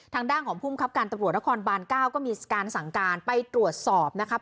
ทางด้านของภูมิครับการตำรวจนครบาน๙ก็มีการสั่งการไปตรวจสอบนะครับ